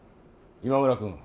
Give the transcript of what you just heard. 今村君！